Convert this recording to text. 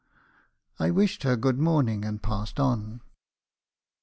"I wished her good morning, and passed on.